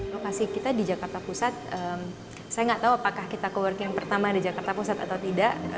lokasi kita di jakarta pusat saya nggak tahu apakah kita co working pertama di jakarta pusat atau tidak